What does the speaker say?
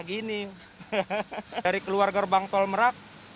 gini hehehe dari keluar gerbang tol merak